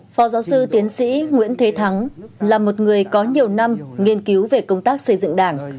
phó giáo sư tiến sĩ nguyễn thế thắng là một người có nhiều năm nghiên cứu về công tác xây dựng đảng